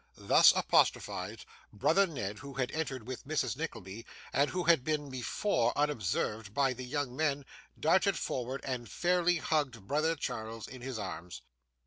Thus apostrophised, brother Ned, who had entered with Mrs. Nickleby, and who had been before unobserved by the young men, darted forward, and fairly hugged brother Charles in his arms.